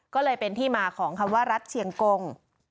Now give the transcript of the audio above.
ก็เลยเป็นที่มาของคำว่ารัฐเชียงกง